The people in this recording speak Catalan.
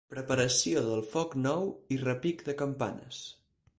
Preparació del foc nou i repic de campanes.